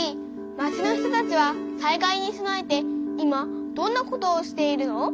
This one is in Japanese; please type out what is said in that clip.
町の人たちは災害に備えて今どんなことをしているの？